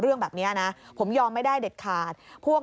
เรื่องแบบนี้นะผมยอมไม่ได้เด็ดขาดพวก